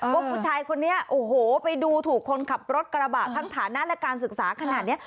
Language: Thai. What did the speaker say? ว่าผู้ชายคนนี้โอ้โหไปดูถูกคนขับรถกระบะทั้งฐานะและการศึกษาขนาดนี้